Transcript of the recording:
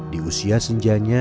di usia senjanya